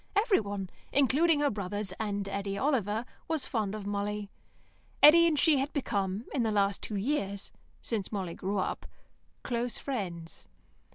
Everyone, including her brothers and Eddy Oliver, was fond of Molly. Eddy and she had become, in the last two years, since Molly grew up, close friends.